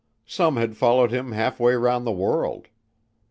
Some had followed him half way around the world.